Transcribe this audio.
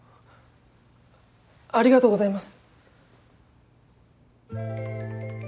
ありがとうございます！